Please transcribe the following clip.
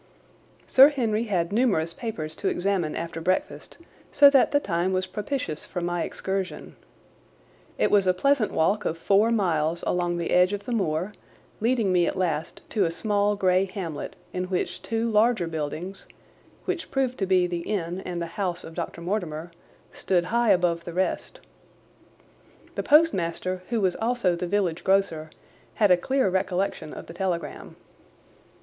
Sir Henry had numerous papers to examine after breakfast, so that the time was propitious for my excursion. It was a pleasant walk of four miles along the edge of the moor, leading me at last to a small grey hamlet, in which two larger buildings, which proved to be the inn and the house of Dr. Mortimer, stood high above the rest. The postmaster, who was also the village grocer, had a clear recollection of the telegram.